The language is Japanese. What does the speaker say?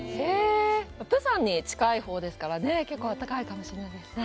釜山に近いほうですからね、結構あったかいかもしれないですね。